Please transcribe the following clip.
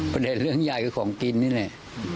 ประเด็นเรื่องใหญ่คือของกินนี่เลย